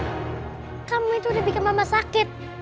karena kamu itu udah bikin mama sakit